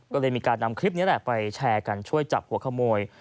ก็เลยมีการนำคลิปนี้แหละไปแชร์กันช่วยจับหัวขโมย